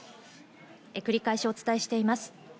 繰り返しお伝えしています。